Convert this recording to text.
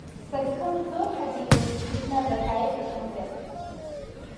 سەگەکەم زۆر حەزی لە میزکردنە بە تایەی ئۆتۆمۆبیل.